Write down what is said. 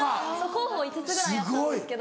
候補５つぐらいあったんですけど